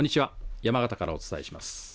山形からお伝えします。